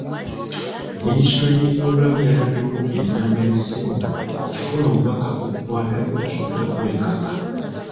Minisitule y'ebyobulamu yataddewo ennamba y'essimu okufuna obubaka obukwata ku musujja gw'enkaka.